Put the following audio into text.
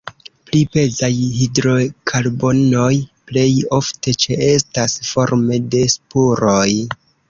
Pli pezaj hidrokarbonoj plej ofte ĉeestas forme de spuroj.